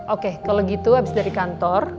oke kalau gitu abis dari kantor